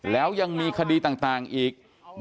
แล้วยังมีคดีต่างอีก